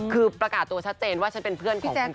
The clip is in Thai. คือประกาศตัวชัดเจนว่าฉันเป็นเพื่อนของคุณ